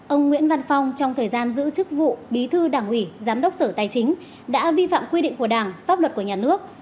ông nguyễn văn phong trong thời gian giữ chức vụ bí thư đảng ủy giám đốc sở tài chính đã vi phạm quy định của đảng pháp luật của nhà nước